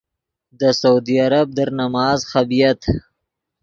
دے سعودی عرب در نماز خبییت۔